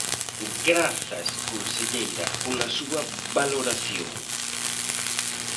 Grazas, conselleira, pola súa valoración.